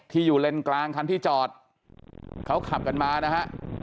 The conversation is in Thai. อยู่เลนกลางคันที่จอดเขาขับกันมานะฮะ